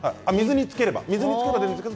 水につければいいんですか？